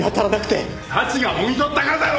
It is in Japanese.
早智がもぎ取ったからだろ！